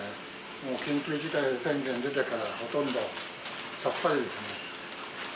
もう緊急事態宣言出てからほとんど、さっぱりですね。